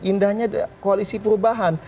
indahnya koalisi perubahan